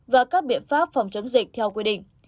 và các biện pháp phòng chống dịch theo quy định